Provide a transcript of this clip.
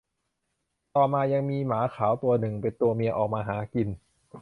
ต่อมายังมีหมาขาวตัวหนึ่งเป็นตัวเมียออกมาหากิน